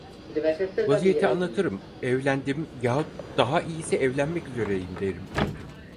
Vaziyeti anlatırım, evlendim, yahut daha iyisi evlenmek üzereyim derim.